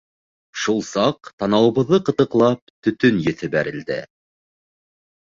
Шул саҡ, танауыбыҙҙы ҡытыҡлап, төтөн еҫе бәрелде.